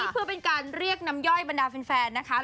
เพื่อเป็นการเรียกน้ำย่อยบรรดาแฟนนะคะ